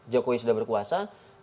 jokowi sudah berkuasa